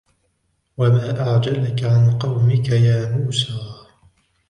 وَمَا أَعْجَلَكَ عَنْ قَوْمِكَ يَا مُوسَى